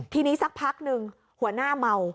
ทีนี้สักพักหนึ่งหัวหน้าเมา